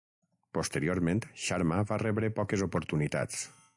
Posteriorment, Sharma va rebre poques oportunitats.